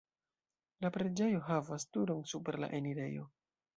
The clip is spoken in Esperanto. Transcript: La preĝejo havas turon super la enirejo.